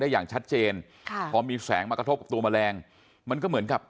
อย่างชัดเจนค่ะพอมีแสงมากระทบกับตัวแมลงมันก็เหมือนกับ